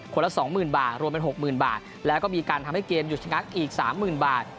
คนละสองหมื่นบาทรวมเป็นหกหมื่นบาทแล้วก็มีการทำให้เกมหยุดชะงักอีกสามหมื่นบาท